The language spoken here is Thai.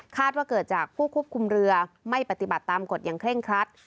ว่าเกิดจากผู้ควบคุมเรือไม่ปฏิบัติตามกฎอย่างเคร่งครัด